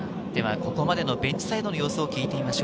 ここまでのベンチサイドの様子を聞いてみましょう。